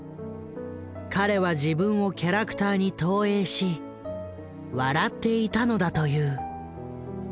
彼は自分をキャラクターに投影し笑っていたのだという。